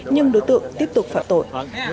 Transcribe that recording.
nhưng đối tượng tiếp tục phạm tội